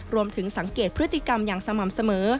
รวมถึงสังเกตพฤติกรรมอย่างสม่ำเสมอ